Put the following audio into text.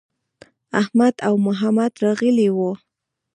احمد او محمد راغلي وو.